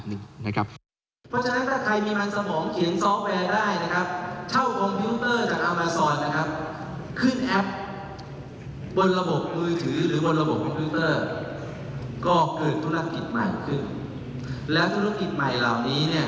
วันนี้ผมใช้ภาษาอังกฤษเยอะเยอะ